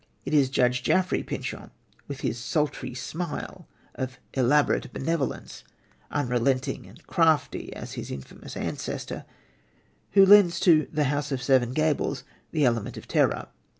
It is Judge Jaffery Pyncheon, with his "sultry" smile of "elaborate benevolence" unrelenting and crafty as his infamous ancestor who lends to The House of Seven Gables the element of terror.